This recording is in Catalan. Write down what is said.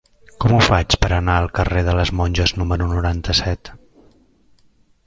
Com ho faig per anar al carrer de les Monges número noranta-set?